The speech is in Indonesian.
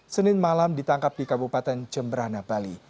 senin malam ditangkap di kabupaten jemberana bali